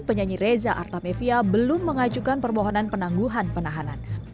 penyanyi reza artamevia belum mengajukan permohonan penangguhan penahanan